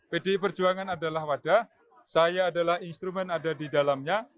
pdi perjuangan adalah wadah saya adalah instrumen ada di dalamnya